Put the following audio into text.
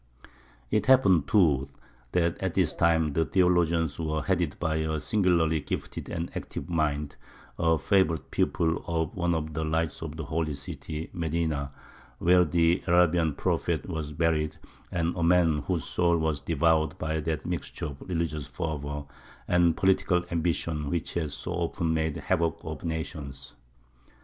It happened, too, that at this time the theologians were headed by a singularly gifted and active mind, a favourite pupil of one of the lights of the Holy City Medina, where the Arabian Prophet was buried, and a man whose soul was devoured by that mixture of religious fervour and political ambition which has so often made havoc of nations.